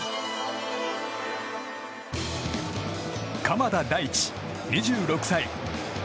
鎌田大地、２６歳。